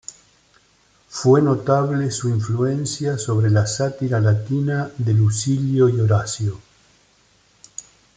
Fue notable su influencia sobre la sátira latina de Lucilio y Horacio.